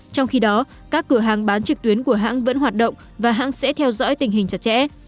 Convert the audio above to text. trong khi đó các cửa hàng bán trực tuyến của hãng vẫn hoạt động và hãng sẽ theo dõi tình hình chặt chẽ